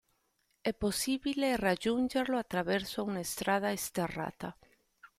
È possibile raggiungerlo attraverso una strada sterrata.